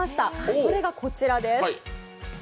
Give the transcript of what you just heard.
それがこちらです。